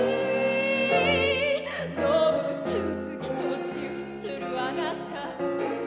「動物好きと自負する貴方」